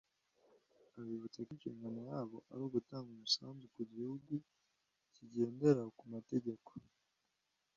abibutsa ko inshingano yabo ari ugutanga umusanzu ku gihugu kigendera ku mategeko